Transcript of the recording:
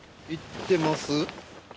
行ってます。